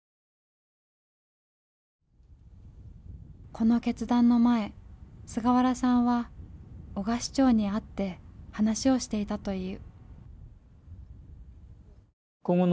この決断の前菅原さんは男鹿市長に会って話をしていたという。